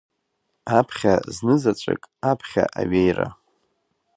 Аԥхьа, знызаҵәык аԥхьа аҩеира.